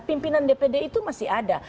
pimpinan dpd itu masih ada